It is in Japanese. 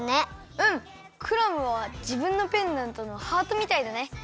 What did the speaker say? うんクラムはじぶんのペンダントのハートみたいだね。